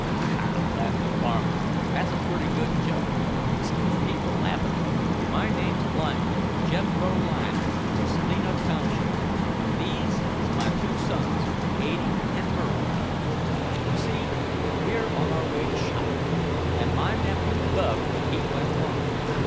"Ha! Ha!" laughed the farmer. "That's a pretty good joke. Excuse me for laughin'. My name's Lyon, Jethro Lyon, of Salina Township, an' these is my two sons, Ade and Burt. You see we're on our way to Shopton, an' my nephew, Bub, he went along.